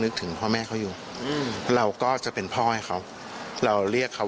ถึงพ่อแม่เขาอยู่อืมเราก็จะเป็นพ่อให้เขาเราเรียกเขา